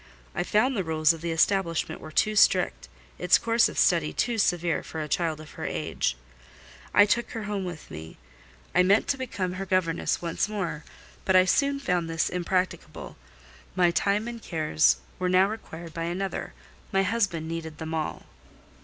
I found the rules of the establishment were too strict, its course of study too severe for a child of her age: I took her home with me. I meant to become her governess once more, but I soon found this impracticable; my time and cares were now required by another—my husband needed them all.